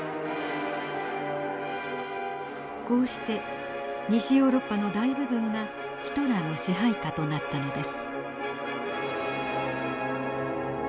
こうして西ヨーロッパの大部分がヒトラーの支配下となったのです。